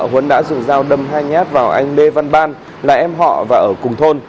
huấn đã dùng dao đâm hai nhát vào anh lê văn ban là em họ và ở cùng thôn